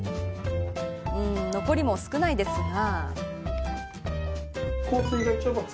残りも少ないですが。